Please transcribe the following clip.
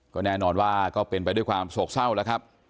ก็แน่นอนว่าก็เป็นไปด้วยความโศกเศร้าแล้วครับ